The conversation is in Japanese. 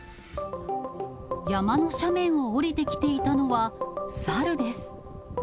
山の斜面を下りてきていたのはサルです。